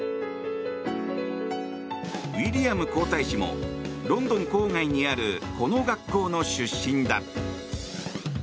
ウィリアム皇太子もロンドン郊外にあるこの学校の出身だ。